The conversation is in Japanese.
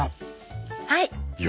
はい。